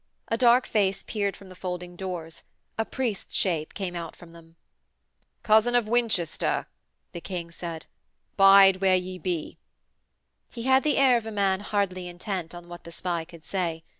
A dark face peered from the folding doors: a priest's shape came out from them. 'Cousin of Winchester,' the King called, 'bide where you be.' He had the air of a man hardly intent on what the spy could say.